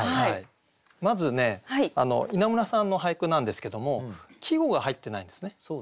まずね稲村さんの俳句なんですけども季語が入ってないんですね。